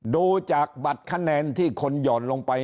ดูจากบัตรคะแนนที่คนหย่อนลงไป